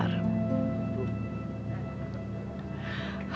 harapan suatu hari aku bisa menjadi orang